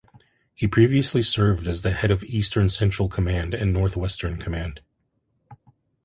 He previously served as the head of Eastern Central Command and North Western Command.